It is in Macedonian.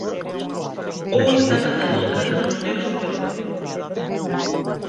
Овој сака да ја одбегне, но не успева.